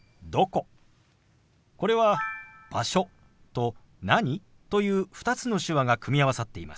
これは「場所」と「何？」という２つの手話が組み合わさっています。